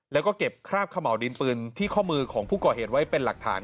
แล้วก็เก็บคราบขม่าวดินปืนที่ข้อมือของผู้ก่อเหตุไว้เป็นหลักฐาน